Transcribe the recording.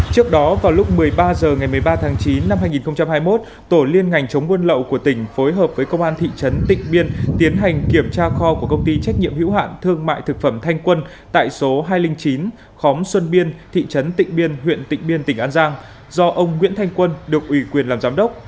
trước đó vào lúc một mươi ba h ngày một mươi ba tháng chín năm hai nghìn hai mươi một tổ liên ngành chống buôn lậu của tỉnh phối hợp với công an thị trấn tịnh biên tiến hành kiểm tra kho của công ty trách nhiệm hữu hạn thương mại thực phẩm thanh quân tại số hai trăm linh chín khóm xuân biên thị trấn tịnh biên huyện tịnh biên tỉnh an giang do ông nguyễn thanh quân được ủy quyền làm giám đốc